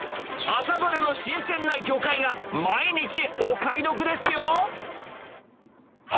朝どれの新鮮な魚介が毎日お買い得ですよ。